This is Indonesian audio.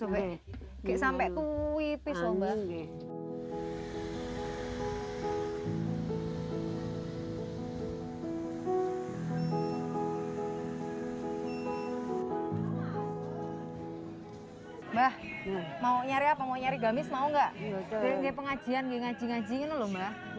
pengajian ngaji ngajiin lho mbah